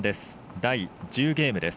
第１０ゲームです。